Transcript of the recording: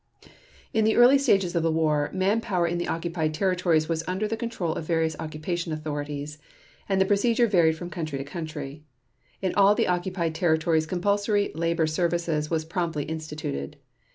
In the early stages of the war, manpower in the occupied territories was under the control of various occupation authorities, and the procedure varied from country to country. In all the occupied territories compulsory labor service was promptly instituted.